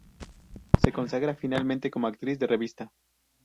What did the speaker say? Se consagra finalmente como actriz de revista.